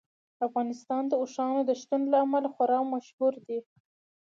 افغانستان د اوښانو د شتون له امله خورا مشهور دی.